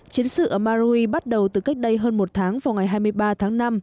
chiến sự ở maroi bắt đầu từ cách đây hơn một tháng vào ngày hai mươi ba tháng năm